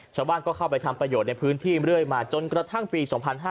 ชาวบ้านก็เข้าไปทำประโยชน์ในพื้นที่เรื่อยมาจนกระทั่งปี๒๕๕๙